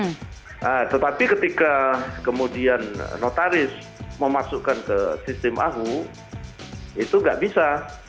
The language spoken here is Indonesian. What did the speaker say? nah tetapi ketika kemudian notaris memasukkan ke sistem ahu itu nggak bisa